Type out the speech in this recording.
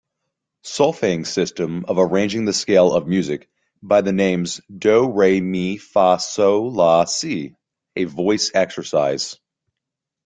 Solfaing system of arranging the scale of music by the names do, re, mi, fa, sol, la, si a voice exercise.